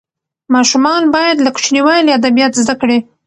ماشومان باید له کوچنیوالي ادبیات زده کړي.